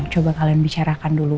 coba kalian bicarakan dulu